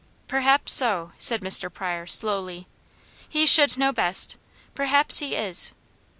"Perhaps so," said Mr. Pryor slowly. "He should know best. Perhaps he is."